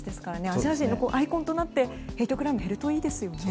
アジア人のアイコンとなってヘイトクライムが減るといいですね。